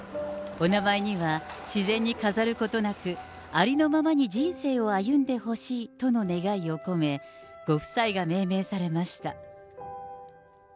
お名前には、自然に飾ることなく、ありのままに人生を歩んでほしいとの願いを込め、ご夫妻が命名されました。